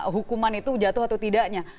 hukuman itu jatuh atau tidaknya